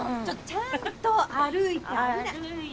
ちゃんと歩いて危ない。